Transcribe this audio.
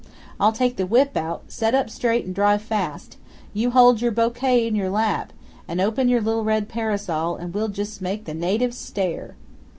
I'll take the whip out, set up straight, an' drive fast; you hold your bo'quet in your lap, an' open your little red parasol, an' we'll jest make the natives stare!"